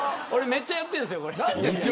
めっちゃ、やってるんですよ。